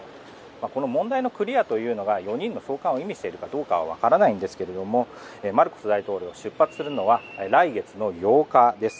この問題のクリアというのが４人の送還を意味しているかどうかは分かりませんがマルコス大統領が出発するのは来月の８日です。